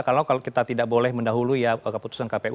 kalau kita tidak boleh mendahului ya keputusan kpu